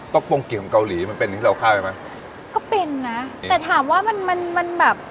โปรงเกมเกาหลีมันเป็นที่เราคาดไว้ไหมก็เป็นนะแต่ถามว่ามันมันแบบ